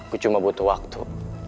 gue cuma butuh waktu